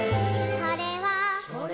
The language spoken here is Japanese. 「それは」